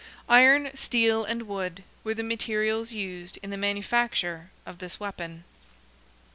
Iron, steel, and wood, were the materials used in the manufacture of this weapon.